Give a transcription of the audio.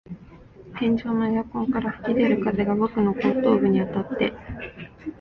天井のエアコンから吹き出る風が僕の後頭部にあたって、